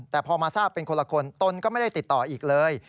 แต่พอมาทราบเป็นคนละคนตนก็ไม่ได้ติดต่ออีกเลย